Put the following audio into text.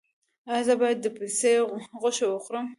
ایا زه باید د پسې غوښه وخورم؟